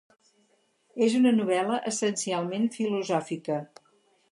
És una novel·la essencialment filosòfica.